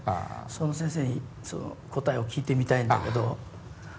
その先生に答えを聞いてみたいんだけど。